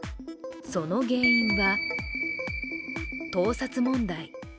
その原因は盗撮問題。